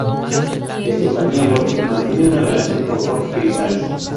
Estefanía Borge mantiene una relación con Jorge Grisales.